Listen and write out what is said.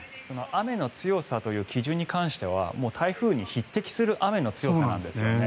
雨の強さという基準に関しては台風に匹敵する雨の強さなんですよね。